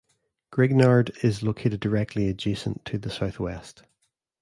Grignard is located directly adjacent to the Southwest.